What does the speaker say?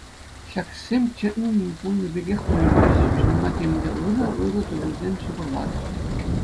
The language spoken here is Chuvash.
Ҫак ӗҫсем чӑн пулнӑ пекех туйӑнчӗҫ, чунӑма темӗнле ырӑ-ырӑ туйӑмсем ҫупӑрларӗҫ.